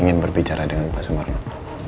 ingin berbicara dengan pak sumarno